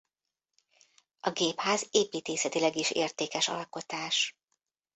A gépház építészetileg is értékes alkotás.